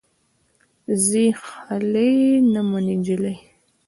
ځي خلې نه مې جلۍ